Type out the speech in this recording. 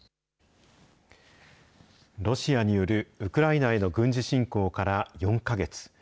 ロシアによるウクライナへの軍事侵攻から４か月。